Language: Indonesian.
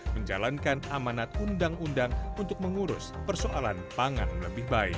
menjalankan amanat undang undang untuk mengurus persoalan pangan lebih baik